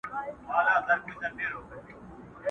اختر چي تېر سي بیا به راسي٫